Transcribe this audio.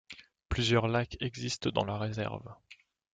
Plusieurs lacs existent dans la réserve.